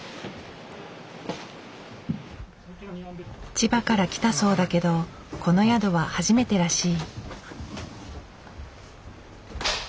千葉から来たそうだけどこの宿は初めてらしい。